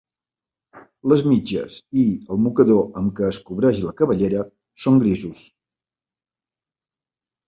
Les mitges i el mocador amb què es cobreix la cabellera són grisos.